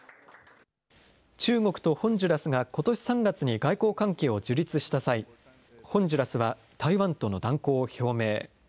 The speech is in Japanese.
中国とホンジュラスがことし３月に外交関係を樹立した際、ホンジュラスは台湾との断交を表明。